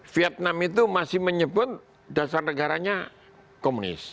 vietnam itu masih menyebut dasar negaranya komunis